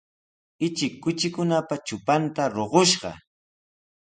Ichik kuchikunapa trupanta ruqushqa.